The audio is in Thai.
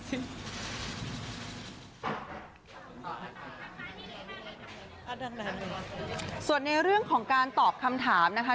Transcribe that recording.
ส่วนในเรื่องของการตอบคำถามนะคะ